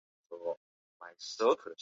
邹永煊长子。